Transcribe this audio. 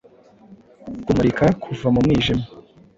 Kumurika kuva m’umwijima